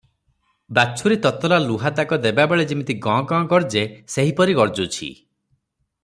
ବାଛୁରୀ ତତଲା ଲୁହା ଦାଗ ଦେବାବେଳେ ଯିମିତି ଗଁ, ଗଁ ଗର୍ଜେ, ସେହିପରି ଗର୍ଜୁଛି ।